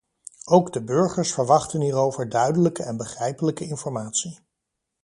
Ook de burgers verwachten hierover duidelijke en begrijpelijke informatie.